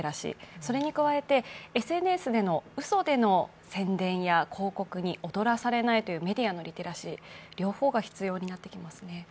それに加えて、ＳＮＳでのうそでの宣伝や広告におどらされないというメディアのリテラシー、両方が必要になってきますね。